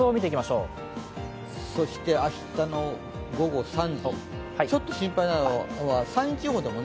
明日の午後３時、ちょっと心配なのは山陰地方です。